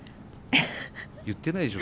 言ってないでしょ？